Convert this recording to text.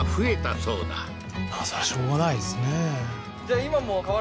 それはしょうがないですね